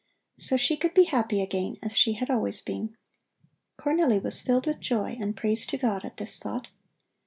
So she could be happy again as she had always been. Cornelli was filled with joy and praise to God at this thought.